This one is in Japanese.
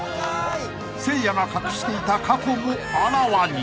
［せいやが隠していた過去もあらわに］